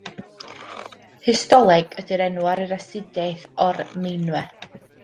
Histoleg ydy'r enw ar yr astudiaeth o'r meinwe.